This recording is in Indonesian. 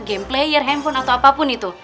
game player handphone atau apapun itu